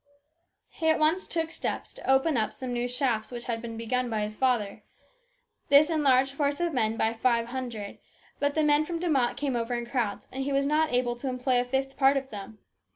He at once took steps to open up some new shafts which had been begun by his father. This enlarged his force of men by five hundred, but the men from De Mott came over in crowds, and he was not able to employ a fifth part of them.